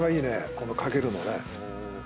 この掛けるのね。